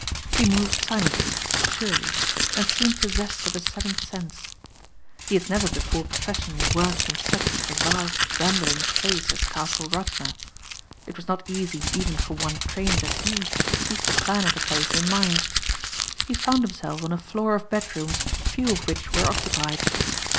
He moved silently, surely, and seemed possessed of a seventh sense. He had never before professionally worked in such a vast rambling place as Castle Radna. It was not easy even for one trained as he to keep the plan of the place in mind. He found himself on a floor of bedrooms few of which were occupied.